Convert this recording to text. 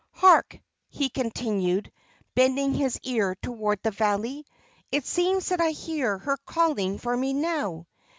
"Hark!" he continued, bending his ear toward the valley. "It seems that I hear her calling for me now!"